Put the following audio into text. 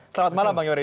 selamat malam bang yoris